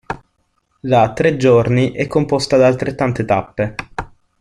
La Tre giorni è composta da altrettante tappe.